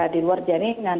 di luar jaringan